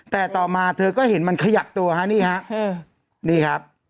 แต่ต่อมาเธอก็เห็นมันขยับตัวนี่ครับ